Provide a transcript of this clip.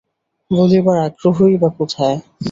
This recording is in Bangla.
বলিবার আগ্রহই বা কোথায়!